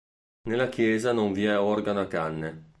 Nella chiesa non vi è organo a canne.